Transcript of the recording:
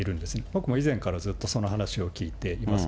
僕も以前からずっとその話を聞いています。